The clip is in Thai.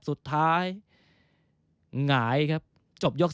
สุดท้ายหงายครับจบยก๓